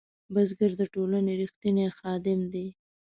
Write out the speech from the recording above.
بزګر د ټولنې رښتینی خادم دی